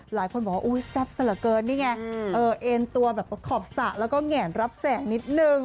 หลายคนบอกว่าอุ๊ยแซ่บซะเหลือเกินนี่ไงเอ็นตัวแบบประขอบสระแล้วก็แงนรับแสงนิดนึง